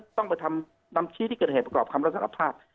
ต้องไปทำนำชี้ที่เกิดเหตุประกอบคำรับสารภาพ